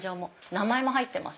名前も入ってます